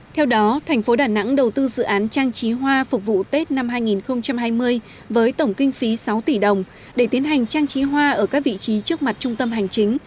theo đó thành phố đà nẵng đầu tư dự án trang trí hoa phục vụ tết năm hai nghìn hai mươi với tổng kinh phí sáu tỷ đồng để tiến hành trang trí hoa ở các vị trí trước mặt trung tâm hành chính